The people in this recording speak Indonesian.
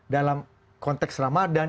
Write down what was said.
dalam konteks ramadan